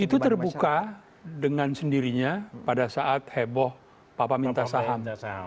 itu terbuka dengan sendirinya pada saat heboh papa minta saham